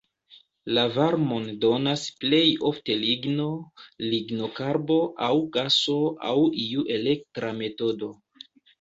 La varmon donas plej ofte ligno, lignokarbo aŭ gaso aŭ iu elektra metodo.